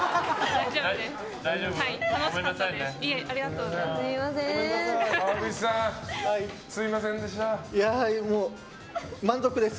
大丈夫です。